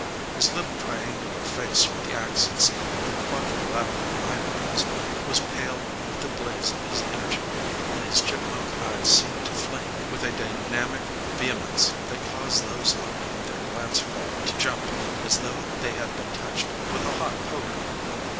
His little triangular face with the accents of the quadrilateral eyebrows was pale with the blaze of his energy, and his chipmunk eyes seemed to flame with a dynamic vehemence that caused those on whom their glance fell to jump as though they had been touched with a hot poker.